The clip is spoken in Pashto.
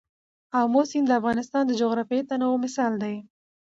آمو سیند د افغانستان د جغرافیوي تنوع مثال دی.